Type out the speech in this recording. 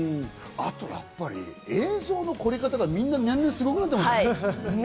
あとやっぱり映像の凝り方がみんな年々すごくなってますね。